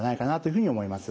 ふうに思います。